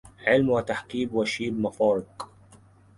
علم وتحكيم وشيب مفارق